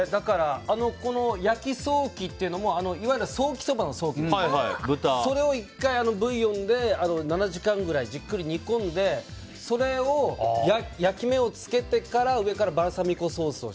この焼きソーキっていうのもいわゆるソーキそばのソーキを１回、ブイヨンで７時間ぐらいじっくり煮込んでそれに焼き目を付けてから上からバルサミコソースを。